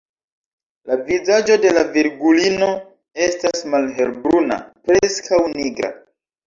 La vizaĝo de la Virgulino estas malhelbruna, preskaŭ nigra.